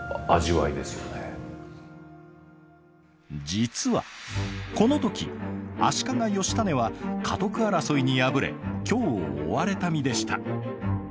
実はこの時足利義稙は家督争いに敗れ京を追われた身でした。